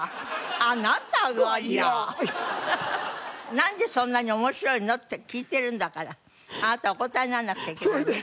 なんでそんなに面白いの？って聞いてるんだからあなたお答えにならなくちゃいけないのよ。